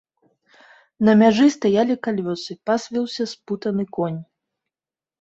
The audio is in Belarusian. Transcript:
На мяжы стаялі калёсы, пасвіўся спутаны конь.